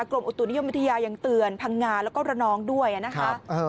กรมอุตุนิยมวิทยายังเตือนพังงาแล้วก็ระนองด้วยนะคะ